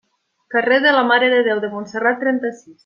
Carrer de la Mare de Déu de Montserrat, trenta-sis.